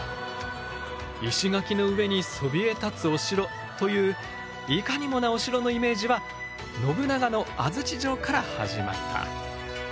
石垣の上にそびえ立つお城といういかにもなお城のイメージは信長の安土城から始まった。